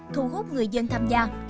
thu hút người dân tham gia